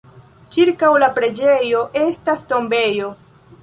Ĉirkaŭ la preĝejo estas tombejo.